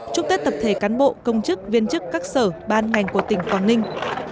chúc tết tập thể cán bộ công chức viên chức các sở ban ngành của tỉnh quảng ninh